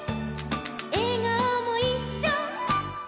「えがおもいっしょ」